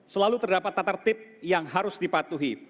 selalu terdapat tatar tip yang harus dipatuhi